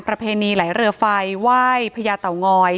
ในนี้หลายเรือไฟว่ายพญาเต่างอย